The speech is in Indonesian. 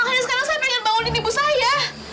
makanya sekarang saya pengen bangunin ibu saya